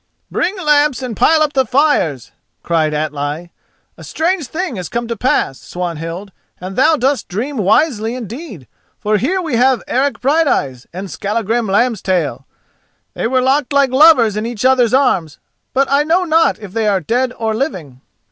"Bring lamps, and pile up the fires," cried Atli. "A strange thing has come to pass, Swanhild, and thou dost dream wisely, indeed, for here we have Eric Brighteyes and Skallagrim Lambstail. They were locked like lovers in each other's arms, but I know not if they are dead or living."